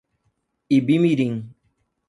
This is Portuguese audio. Ibimirim